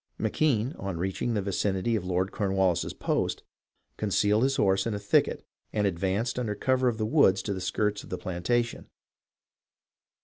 McKenne, on reaching the vicinity of Lord Cornwallis's post, concealed his horse in a thicket and ad vanced under cover of the wood to the skirts of the planta tion.